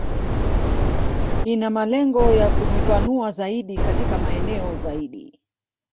Ina malengo ya kujipanua zaidi katika maeneo zaidi